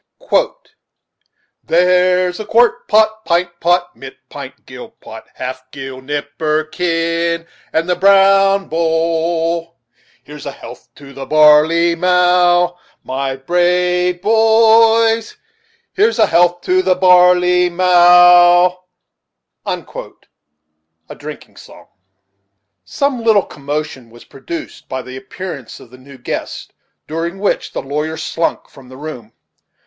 "There's quart pot, pint pot. Mit pint, Gill pot, half gill, nipperkin. And the brown bowl Here's a health to the barley mow, My brave boys, Here's a health to the barley mow." Drinking Song. Some little commotion was produced by the appearance of the new guests, during which the lawyer slunk from the room.